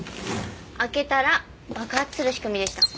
開けたら爆発する仕組みでした。